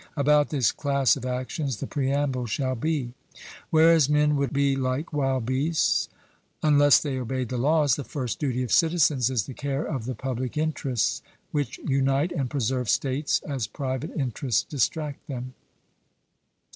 About this class of actions the preamble shall be: Whereas men would be like wild beasts unless they obeyed the laws, the first duty of citizens is the care of the public interests, which unite and preserve states, as private interests distract them.